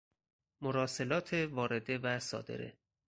مراسلات وارده و صادره